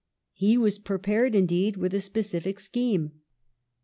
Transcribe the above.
He was prepared indeed with a specific scheme.